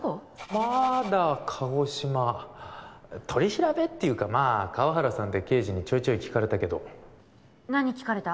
まだ鹿児島取り調べっていうかまあ河原さんって刑事にちょいちょい聞かれたけど何聞かれた？